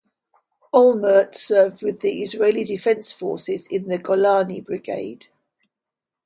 Olmert served with the Israel Defense Forces in the Golani Brigade.